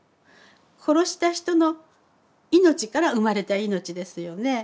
殺した人の命から生まれた命ですよね。